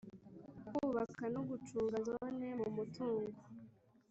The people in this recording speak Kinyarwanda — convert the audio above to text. kubaka no gucunga Zone mu mutungo